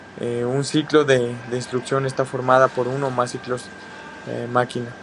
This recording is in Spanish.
Un ciclo de instrucción está formado por uno o más ciclos máquina.